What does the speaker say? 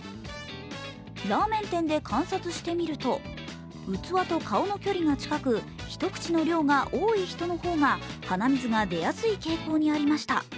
ラーメン店で観察してみると器と顔の距離が近く、一口の量が多い人の方が鼻水が出やすい傾向にありました。